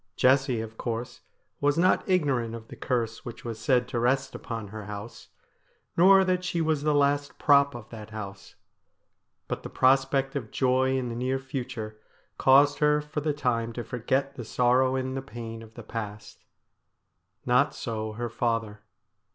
Jessie, of course, was not ignorant of the curse which was said to rest upon her house ; nor that she was the last prop of that house. But the prospect of joy in the near future caused her for the time to forget the sorrow and the pain of the past. Not so her father.